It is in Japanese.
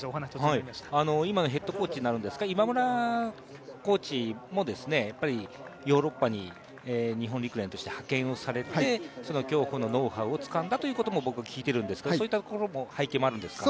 今のヘッドコーチになるんですか、今村コーチもヨーロッパに日本陸連として派遣をされて、競歩のノウハウをつかんだということも聞いているんですけれども、そういった背景もあるんですか。